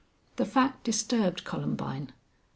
The fact disturbed Columbine.